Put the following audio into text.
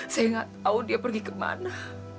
saya gak tau dia pergi kemana